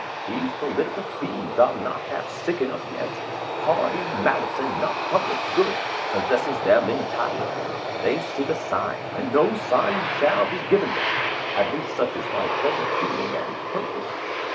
These political fiends are not half sick enough yet. Party malice, and not public good, possesses them entirely. " They seek a sign, and no sign shall be given them." Raymond, k,1J. r • 4. £ V A NOV.28,1660. At least such is my present feeling and purpose.